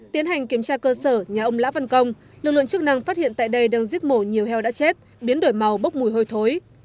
tiến hành kiểm tra cơ sở nhà ông lã văn công lực lượng chức năng phát hiện tại đây đang giết mổ nhiều heo đã chết biến đổi màu bốc mùi hôi thối